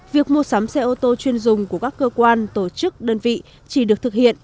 việc mua sắm xe ô tô chuyên dùng của các cơ quan tổ chức đơn vị chỉ được thực hiện